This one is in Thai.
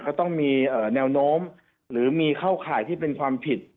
ก็ต้องมีแนวโน้มหรือมีเข้าข่ายที่เป็นความผิด